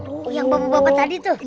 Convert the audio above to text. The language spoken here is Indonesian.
bu yang bapak bapak tadi tuh